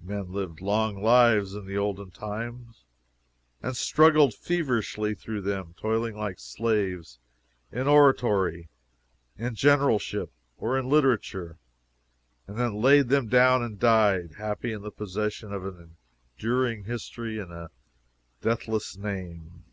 Men lived long lives, in the olden time, and struggled feverishly through them, toiling like slaves, in oratory, in generalship, or in literature, and then laid them down and died, happy in the possession of an enduring history and a deathless name.